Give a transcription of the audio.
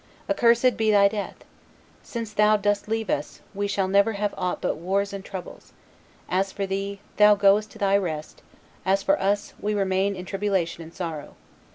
Accursed be thy death! Since thou dost leave us, we shall never have aught but wars and troubles. As for thee, thou goest to thy rest; as for us, we remain in tribulation and sorrow.